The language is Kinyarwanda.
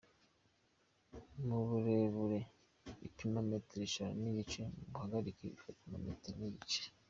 Mu burebure ipima metero eshanu n’igice, mu buhagarike igapima metero n’igice.